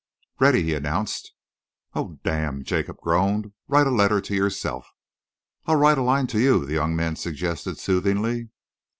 "Ready," he announced. "Oh, damn!" Jacob groaned. "Write a letter to yourself." "I'll write a line to you," the young man suggested soothingly.